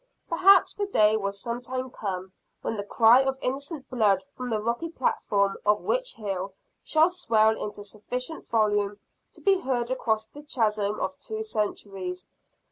Perhaps the day will some time come, when the cry of innocent blood from the rocky platform of Witch Hill, shall swell into sufficient volume to be heard across the chasm of two centuries.